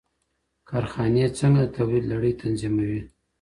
کارخانې څنګه د تولید لړۍ تنظیموي؟